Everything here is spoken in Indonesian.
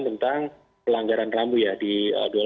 tentang pelanggaran rabu ya di dua puluh delapan tujuh ayat satu